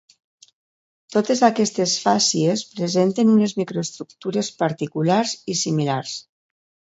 Totes aquestes fàcies presenten unes microestructures particulars i similars.